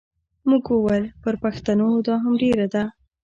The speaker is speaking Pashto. موږ وویل پر پښتنو دا هم ډېره ده.